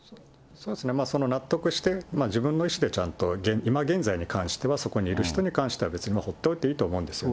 そうですね、納得して、自分の意思でちゃんと今現在に関しては、そこにいる人に関しては、別にほっておいていいと思うんですよ。